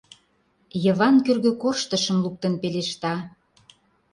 Йыван кӧргӧ корштышым луктын пелешта: